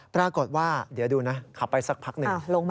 ปรากฏว่าเดี๋ยวดูนะขับไปสักพักหนึ่ง